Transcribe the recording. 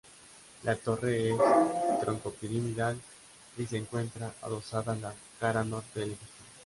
La torre es troncopiramidal y se encuentra adosada a la cara norte del edificio.